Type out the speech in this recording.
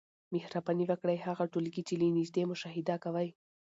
مهرباني وکړئ هغه ټولګي چي له نیژدې مشاهده کوی